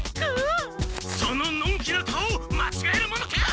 そののんきな顔まちがえるものか！